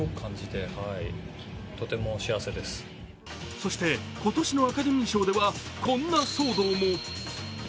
そして今年のアカデミー賞ではこんな騒動も。